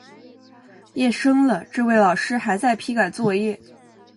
夜深了，这位老师还在批改作业